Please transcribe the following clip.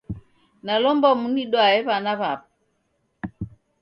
Nalomba munidwaye wana wapo